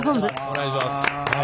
お願いします。